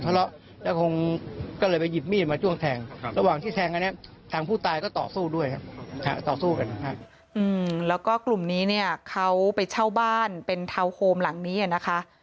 แล้วก็กลุ่มนี้เนี่ยเขาไปเช่าบ้านเป็นทาวน์โฮมหลังนี้นะคะ